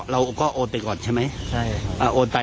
เราก็โอนตัวไปก่อนใช่มั้ย